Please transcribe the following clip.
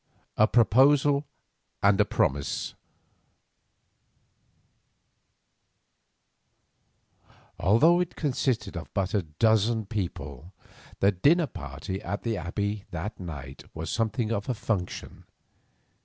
A PROPOSAL AND A PROMISE Although it consisted of but a dozen people, the dinner party at the Abbey that night was something of a function.